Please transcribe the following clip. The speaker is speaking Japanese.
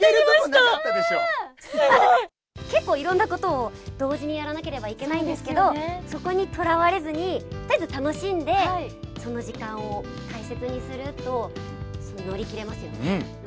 結構いろんなことを同時にやらなければいけないんですけど、そこにとらわれずに、とりあえず楽しんで、その時間を大切にすると、乗り切れますよね。